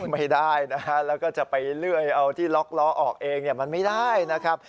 ไม่ได้นะฮะแล้วก็จะไปเลื่อยเอาที่ล็อกล้อออกเองเนี่ยมันไม่ได้นะครับ